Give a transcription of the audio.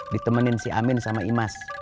ditemenin si amin sama imas